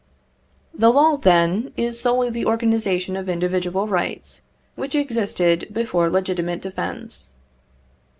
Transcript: The law, then, is solely the organisation of individual rights, which existed before legitimate defence.